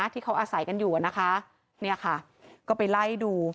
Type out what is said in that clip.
ที่เขาอาศัยกันอยู่นะคะเนี่ยค่ะก็ไปไล่ดู